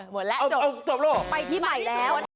หมดแล้วเหรอจบไปที่ใหม่แล้วหมดแล้วเหรอ